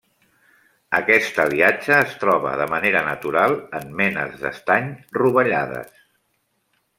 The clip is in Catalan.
Aquest aliatge es troba de manera natural en menes d'estany rovellades.